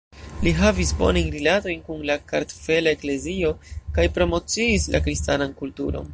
Li havis bonajn rilatojn kun la Kartvela Eklezio kaj promociis la kristanan kulturon.